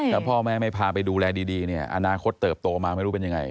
ถ้าพ่อแม่ไม่พาไปดูแลดีเนี่ยอนาคตเติบโตมาไม่รู้เป็นยังไง